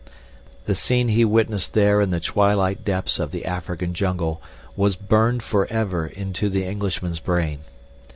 The scene he witnessed there in the twilight depths of the African jungle was burned forever into the Englishman's brain.